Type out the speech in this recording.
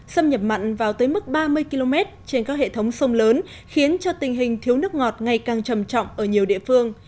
xâm nhập mặn vào tới mức ba mươi km trên các hệ thống sông lớn khiến cho tình hình thiếu nước ngọt ngày càng trầm trọng ở nhiều địa phương